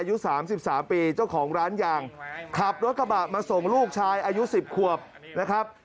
อายุ๓๓ปีเจ้าของร้านยางขับรถกระบะมาส่งลูกชายอายุ๑๐ขวบนะครับ